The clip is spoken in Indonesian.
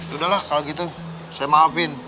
hei udah lah kalau gitu saya maafin